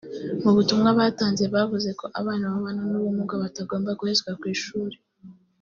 mu butumwa batanze bavuze ko abana babana n’ubumuga batagomba guhezwa ku ishuri